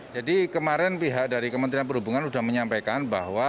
jadi kemarin pihak dari kementerian perhubungan sudah menyampaikan bahwa